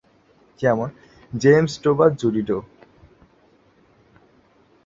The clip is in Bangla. যেমন: জেমস ডো বা জুডি ডো।